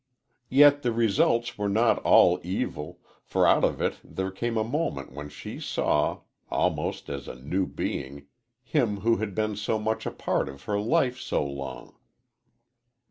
"Yet the results were not all evil, for out of it there came a moment when she saw, almost as a new being, him who had been so much a part of her life so long."